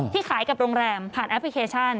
ขายกับโรงแรมผ่านแอปพลิเคชัน